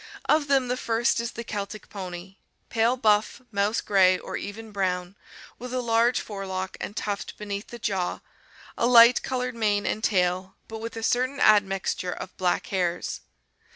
Of them the first is the Celtic pony — pale buff, mouse gray, or even brown, with a large forelock and tuft beneath the jaw, a light colored mane and tail, but with a certain admixture of black hairs.